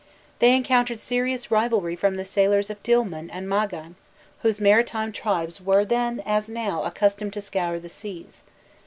They encountered serious rivalry from the sailors of Dilmun and Magan, whose maritime tribes were then as now accustomed to scour the seas.